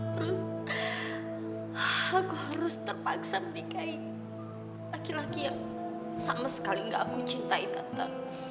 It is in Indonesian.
terus aku harus terpaksa menikahi laki laki yang sama sekali gak aku cintai tetap